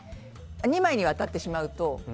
２枚にわたってしまうと。